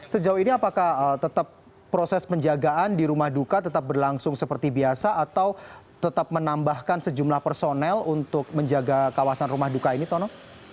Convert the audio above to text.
sejauh ini apakah tetap proses penjagaan di rumah duka tetap berlangsung seperti biasa atau tetap menambahkan sejumlah personel untuk menjaga kawasan rumah duka ini tono